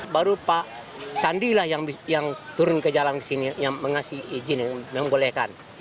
baru pak sandi lah yang turun ke jalan kesini yang mengasih izin yang membolehkan